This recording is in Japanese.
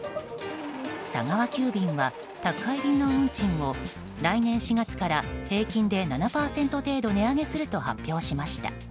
佐川急便は宅配便の運賃を来年４月から平均で７％程度値上げすると発表しました。